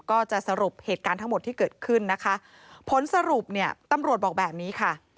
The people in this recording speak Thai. ก็จะสรุปเหตุการณ์ทั้งหมดที่เกิดขึ้นนะคะผลสรุปเนี่ยตำรวจบอกแบบนี้ค่ะ